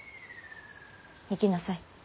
行きなさい。